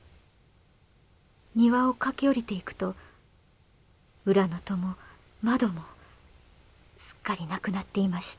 庭を駆け下りていくと裏の戸も窓もすっかり無くなっていました。